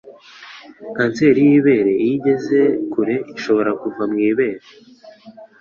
Kanseri y'ibere iyo igeze kure ishobora kuva mu ibere